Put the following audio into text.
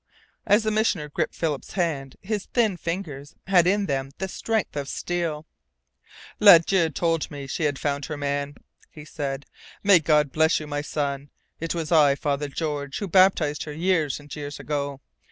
As the Missioner gripped Philip's hand his thin fingers had in them the strength of steel. "Ladue told me that she had found her man," he said. "May God bless you, my son! It was I, Father George, who baptized her years and years ago.